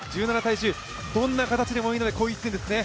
どんな形でもいいので、こういう１点ですね。